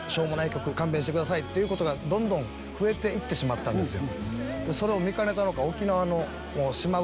曲勘弁してくださいっていうことがどんどん増えていってしまったんですよ